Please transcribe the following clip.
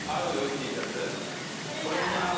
Ｔシャツ